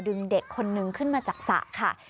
ดึงเด็กคนนึงขึ้นมาจากสระค่ะ